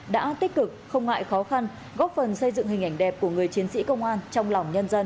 đã tích cực không ngại khó khăn góp phần xây dựng hình ảnh đẹp của người chiến sĩ công an trong lòng nhân dân